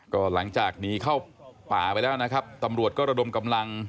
ก็หลังจากหนีเข้าป่าไปแล้วนะครับตำรวจก็ระดมกำลัง